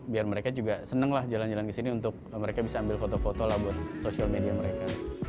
biar mereka juga senang lah jalan jalan ke sini untuk mereka bisa ambil foto foto lah buat social media mereka